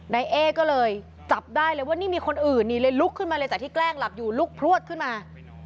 นายเอ๊ก็เลยจับได้เลยว่านี่มีคนอื่นนี่เลยลุกขึ้นมาเลยจากที่แกล้งหลับอยู่ลุกพลวดขึ้นมา